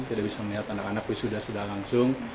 tidak bisa melihat anak anak wisuda sudah langsung